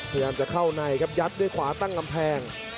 พยายามจะเข้าในครับยัดด้วยขวาตั้งกำแพง